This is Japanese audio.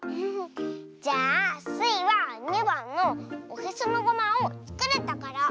じゃあスイは２ばんの「おへそのごまをつくるところ」。